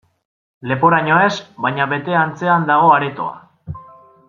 Leporaino ez, baina bete antzean dago aretoa.